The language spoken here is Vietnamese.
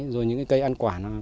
rồi những cây ăn quả